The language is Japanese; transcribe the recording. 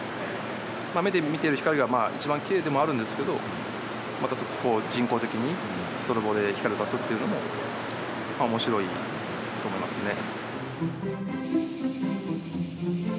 目で見てる光はまあ一番きれいでもあるんですけどまたちょっとこう人工的にストロボで光を足すっていうのも面白いと思いますね。